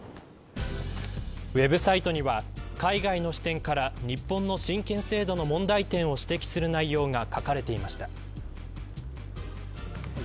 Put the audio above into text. ウェブサイトには海外の視点から日本の親権制度の問題点を指摘する内容が書かれていました。